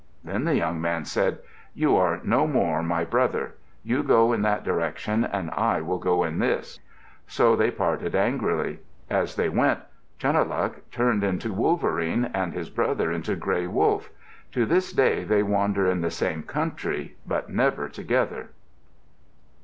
Then the young man said, "You are no more my brother. You go in that direction and I will go in this." So they parted angrily. As they went, Chunuhluk turned into Wolverine and his brother became Gray Wolf. To this day they wander in the same country, but never together.